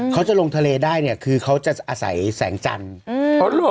เขาจะลงทะเลได้เนี่ยคือเขาจะอาศัยแสงจันทร์